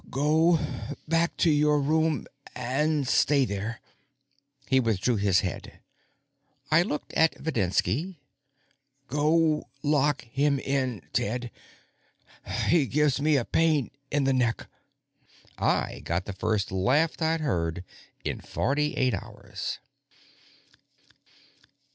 "Go on back to your room and stay there." He withdrew his head. I looked at Videnski. "Go lock him in, Ted. He gives me a pain in the neck." I got the first laugh I'd heard in forty eight hours.